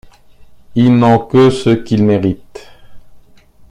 Ils n’ont que ce qu’ils méritent.